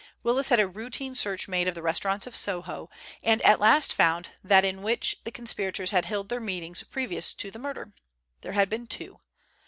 Willis had a routine search made of the restaurants of Soho, and at last found that in which the conspirators had held their meetings previous to the murder. There had been two.